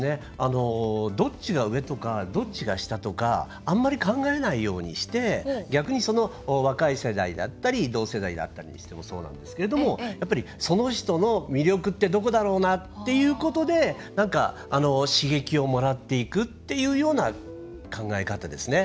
どっちが上とかどっちが下とかあんまり考えないようにして逆に若い世代だったり同世代でもそうなんですけどやっぱり、その人の魅力ってどこだろうな？ということで刺激をもらっていくような考え方ですね。